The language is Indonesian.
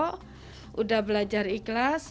sudah belajar ikhlas